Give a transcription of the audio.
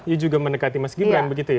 ia juga mendekati mas gibran begitu ya